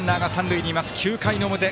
ランナーが三塁にいます９回の表。